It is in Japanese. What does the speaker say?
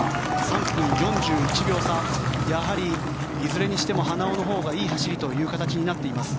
やはり、いずれにしても花尾のほうがいい走りという形になっています。